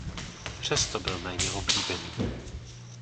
Přesto byl méně oblíbený.